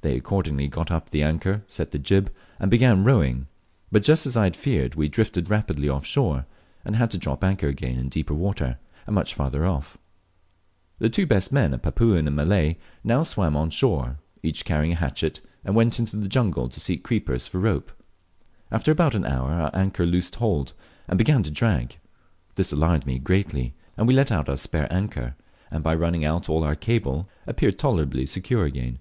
They accordingly got up the anchor, set the jib, and began rowing; but, just as I had feared, we drifted rapidly off shore, and had to drop anchor again in deeper water, and much farther off. The two best men, a Papuan and a Malay now swam on shore, each carrying a hatchet, and went into the jungle to seek creepers for rope. After about an hour our anchor loosed hold, and began to drag. This alarmed me greatly, and we let go our spare anchor, and, by running out all our cable, appeared tolerably secure again.